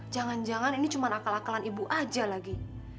jangan jangan ini cuma akal akalan ibu aja lagi